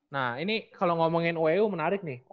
nah ini kalau ngomongin uu menarik nih